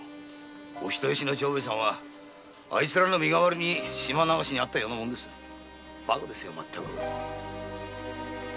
お人よしの長兵衛さんはあいつらの身代わりに島流しになったようなもんですよ。